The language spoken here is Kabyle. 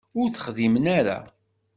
Ur t-texdimen ara.